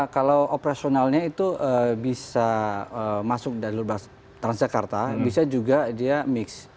kalau operasionalnya itu bisa masuk jalur transjakarta bisa juga dia mix